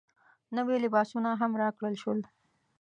نوي لباسونه هم راکړل شول.